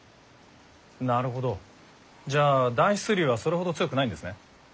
なるほどじゃあ暖湿流はそれほど強くないんですね？